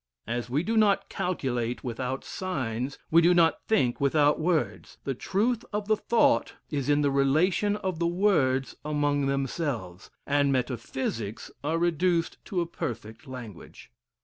As we do not calculate with out signs, we do not think without words; the truth of the thought is in the relation of the words among themselves, and metaphysics are reduced to a perfect language.